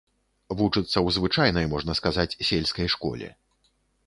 Вучыцца ў звычайнай, можна сказаць, сельскай школе.